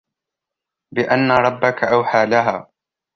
بِأَنَّ رَبَّكَ أَوْحَى لَهَا